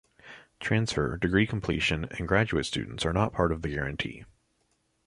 Transfer, degree completion and graduate students are not part of the guarantee.